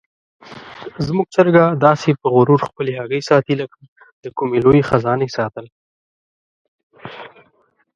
زموږ چرګه داسې په غرور خپلې هګۍ ساتي لکه د کومې لویې خزانې ساتل.